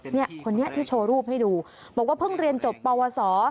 เนี่ยคนนี้ที่โชว์รูปให้ดูบอกว่าเพิ่งเรียนจบปวสอ